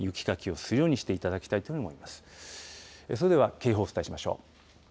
それでは警報をお伝えしましょう。